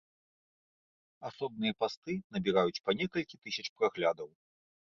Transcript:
Асобныя пасты набіраюць па некалькі тысяч праглядаў.